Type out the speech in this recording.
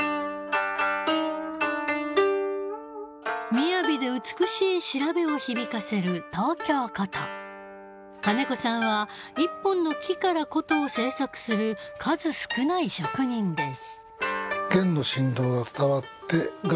みやびで美しい調べを響かせる東京琴金子さんは一本の木から琴を製作する数少ない職人です